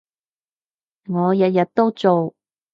我日日都做